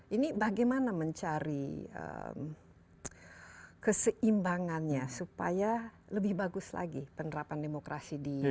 ini bagaimana mencari keseimbangannya supaya lebih bagus lagi penerapan demokrasi di indonesia